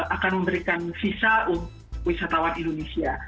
akan memberikan visa untuk wisatawan indonesia